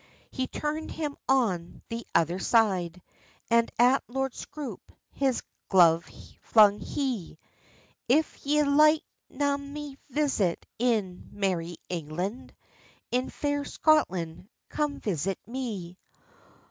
He turned him on the other side, And at Lord Scroope his glove flung he: "If ye like na my visit in merry England, In fair Scotland come visit me!"